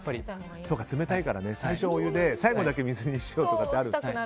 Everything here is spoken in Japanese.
冷たいから最初お湯で最後だけ水にしたりとか。